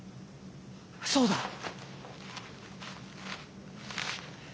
そうだ。